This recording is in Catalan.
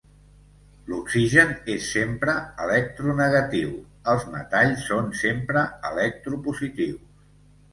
L'oxigen és sempre electronegatiu, els metalls són sempre electropositius.